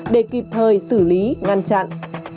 để kịp thời xử lý ngăn chặn